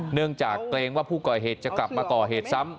เนื่องจากเกรงว่าผู้ก่อเหตุจะกลับมาก่อเหตุซ้ำ